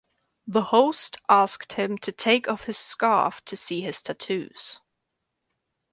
The host asked him to take off his scarf to see his tattoos.